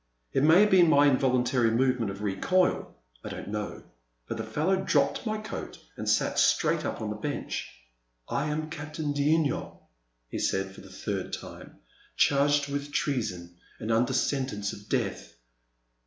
It may have been my involuntary movement of recoil, — I don*t know, — ^but the fellow dropped my coat and sat straight up on the bench. I am Captain d'Yniol,*' he said for the third time, charged with treason and under sentence of death.